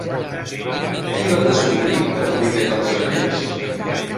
Qui va descobrir el primer dels anells?